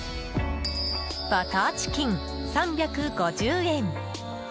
バターチキン、３５０円。